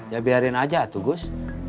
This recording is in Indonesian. ya biarin aja tuh gus